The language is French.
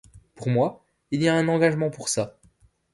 Pour moi, il y a un engagement pour ça